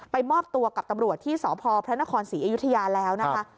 มอบตัวกับตำรวจที่สพพระนครศรีอยุธยาแล้วนะคะ